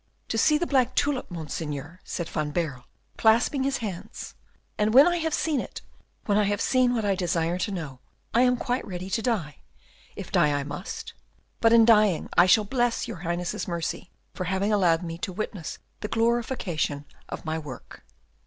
"To see the black tulip, Monseigneur," said Van Baerle, clasping his hands, "and when I have seen it, when I have seen what I desire to know, I am quite ready to die, if die I must; but in dying I shall bless your Highness's mercy for having allowed me to witness the glorification of my work."